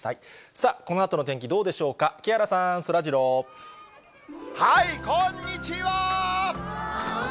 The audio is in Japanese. さあ、このあとの天気どうでしょこんにちは。